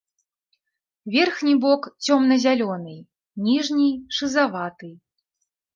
Верхні бок цёмна-зялёны, ніжні шызаваты.